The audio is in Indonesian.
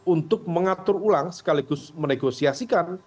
untuk mengatur ulang sekaligus menegosiasikan